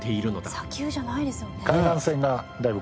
砂丘じゃないですよね。